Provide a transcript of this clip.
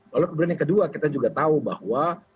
lalu kemudian yang kedua kita juga tahu bahwa